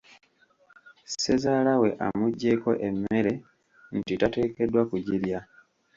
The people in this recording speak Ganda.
Ssezaala we amuggyeko emmere nti tateekeddwa kugirya.